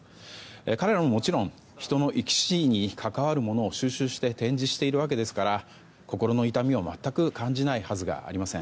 彼らはもちろん、人の生き死にに関わるものを収集して展示しているわけですから心の痛みは全く感じないはずがありません。